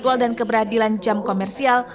jadwal dan keberadilan jam komersial